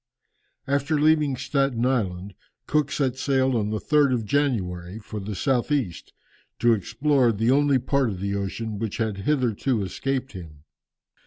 After leaving Staten Island, Cook set sail on the 3rd of January, for the south east, to explore the only part of the ocean which had hitherto escaped him.